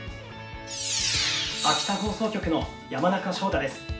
秋田放送局の山中翔太です。